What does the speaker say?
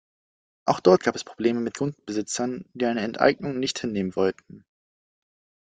Auch dort gab es Probleme mit Grundbesitzern, die eine Enteignung nicht hinnehmen wollten.